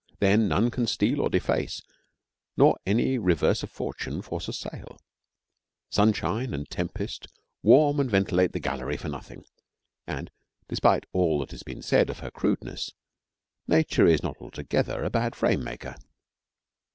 Then none can steal or deface, nor any reverse of fortune force a sale; sunshine and tempest warm and ventilate the gallery for nothing, and in spite of all that has been said of her crudeness Nature is not altogether a bad frame maker.